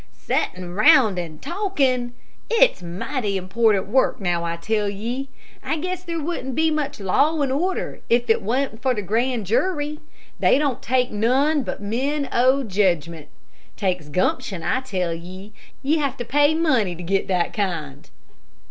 "'Settin' round and talkin'!' It's mighty important work, now I tell ye. I guess there wouldn't be much law and order if it wa'n't for the grand jury. They don't take none but men o' jedgment. Takes gumption, I tell ye. Ye have to pay money to get that kind."